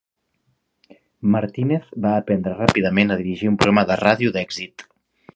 Martínez va aprendre ràpidament a dirigir un programa de ràdio d'èxit.